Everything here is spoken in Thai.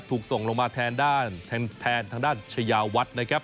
ถูกส่งลงมาแทนด้านจุโฉยาวัฏนะครับ